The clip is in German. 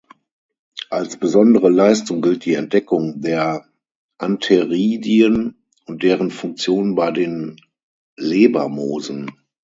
Als besondere Leistung gilt die Entdeckung der Antheridien und deren Funktion bei den Lebermoosen.